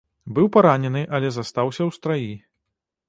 Быў паранены, але застаўся ў страі.